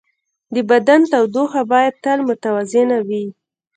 د بدن تودوخه باید تل متوازنه وي.